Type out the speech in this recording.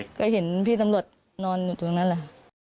แล้วเห็นพี่ตำรวจนอนตรงนั้นแหละ